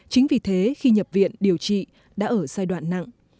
chính vì thế khi nhập viện điều trị đã ở giai đoạn nặng